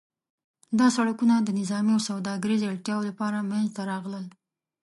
دا سړکونه د نظامي او سوداګریز اړتیاوو لپاره منځته راغلل.